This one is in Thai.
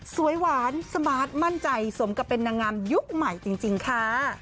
สวยหวานสมาร์ทมั่นใจสมกับเป็นนางงามยุคใหม่จริงค่ะ